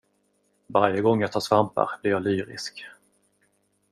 Varje gång jag tar svampar blir jag lyrisk.